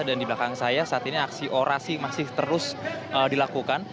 dan di belakang saya saat ini aksi orasi masih terus dilakukan